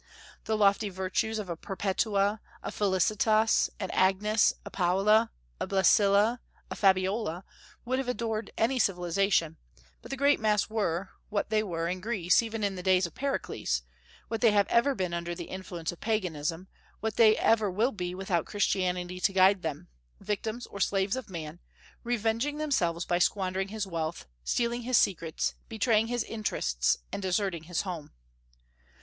The lofty virtues of a Perpetua, a Felicitas, an Agnes, a Paula, a Blessilla, a Fabiola, would have adorned any civilization; but the great mass were, what they were in Greece even in the days of Pericles, what they have ever been under the influence of Paganism, what they ever will be without Christianity to guide them, victims or slaves of man, revenging themselves by squandering his wealth, stealing his secrets, betraying his interests, and deserting his home.